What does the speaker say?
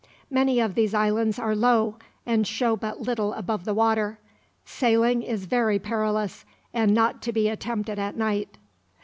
Many of these islands are low, and show but little above the water. Sailing is very perilous, and not to be attempted at night.'